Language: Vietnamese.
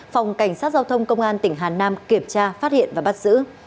phòng cảnh sát giao thông công an tỉnh hà nam kiểm tra phát hiện và bắt giữ